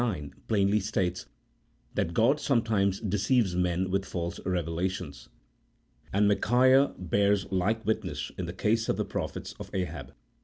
9) plainly states that God sometimes deceives men with false revelations ; and Micaiah bears like witness in the case of the prophets of Ahab.